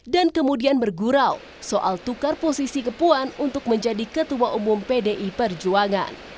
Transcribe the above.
dan kemudian bergurau soal tukar posisi ke puan untuk menjadi ketua umum pdi perjuangan